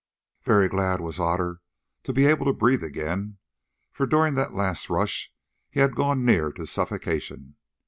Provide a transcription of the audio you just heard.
Very glad was Otter to be able to breathe again, for during that last rush he had gone near to suffocation.